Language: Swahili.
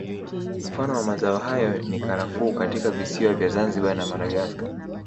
Mfano wa mazao hayo ni Karafuu katika visiwa vya Zanzibari na Madagascar